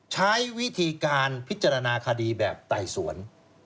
ใช้วิธีการพิจารณาคดีแบบไต่สวน